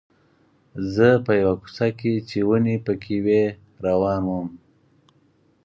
زه په یوه کوڅه کې چې ونې پکې وې روان وم.